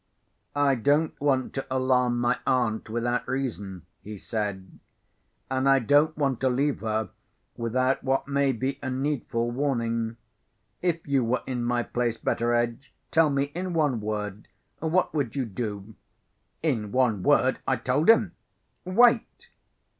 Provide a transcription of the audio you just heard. "I don't want to alarm my aunt without reason," he said. "And I don't want to leave her without what may be a needful warning. If you were in my place, Betteredge, tell me, in one word, what would you do?" In one word, I told him: "Wait."